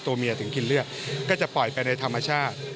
ตัวเมียถึงกินเลือดก็จะปล่อยไปในธรรมชาติ